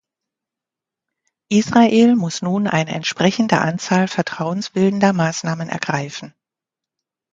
Israel muss nun eine entsprechende Anzahl vertrauensbildender Maßnahmen ergreifen.